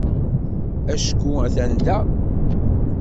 Acku atan da.